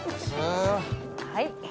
はい！